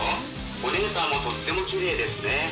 お姉さんもとってもきれいですね。